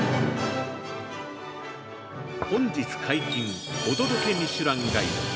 本日解禁「お届けミシュランガイド」。